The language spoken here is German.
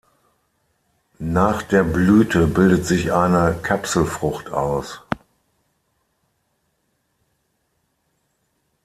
Nach der Blüte bildet sich eine Kapselfrucht aus.